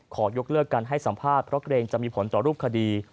ขอยกเลิกการให้สัมภาษณ์เพราะเกรงจะมีผลต่อรูปคดี